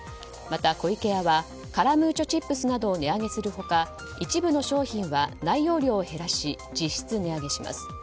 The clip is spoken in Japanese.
また湖池屋はカラムーチョチップスなどを値上げする他、一部の商品は内容量を減らし実質値上げします。